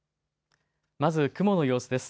まず雲の様子です。